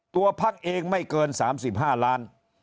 ตัวพักเองไม่เกิน๓๕ล้านบาท